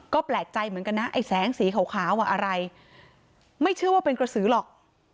ก็แปลกใจเหมือนกันนะไอ้แสงสีขาวอ่ะอะไรไม่เชื่อว่าเป็นกระสือหรอก